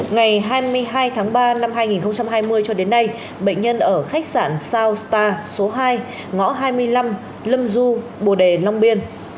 ngày hai mươi hai tháng ba năm hai nghìn hai mươi cho đến nay bệnh nhân ở khách sạn soun star số hai ngõ hai mươi năm lâm du bồ đề long biên